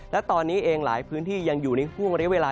และตอนนี้เองหลายพื้นที่ยังอยู่ในห่วงเรียกเวลา